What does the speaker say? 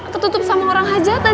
tertutup sama orang hajatan